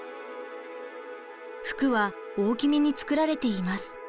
服は大きめに作られています。